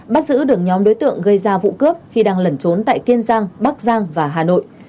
bắt giữ được nhóm đối tượng gây ra vụ cướp khi đang lẩn trốn tại kiên giang bắc giang và hà nội